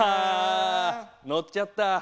乗っちゃった。